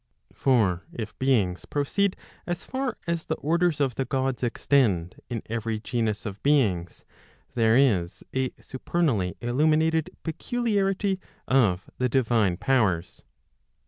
For if beings proceed as far as the orders of the Gods extend, in every genus of beings, there is a supernally illuminated peculiarity of the divine powers.